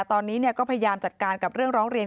ตอนนี้ก็พยายามจัดการกับเรื่องร้องเรียน